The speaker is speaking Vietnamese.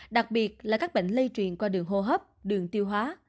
đặc biệt là các bệnh lây truyền qua đường hô hấp đường tiêu hóa